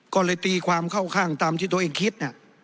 ก็เลยตีความเข้าข้างตามที่ตัวเองคิด